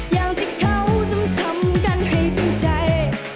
อย่างที่เขาจำทำกันให้จนใจ